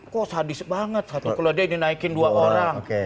kok sadis banget satu keledak dinaikin dua orang